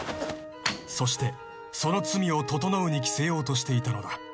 ［そしてその罪を整に着せようとしていたのだ］